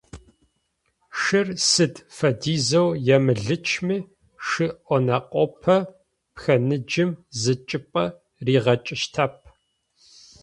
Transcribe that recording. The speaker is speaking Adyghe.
Шыр сыд фэдизэу емылычми шы онэкъопэ пхэныджым зы чӏыпӏэ ригъэкӏыщтэп.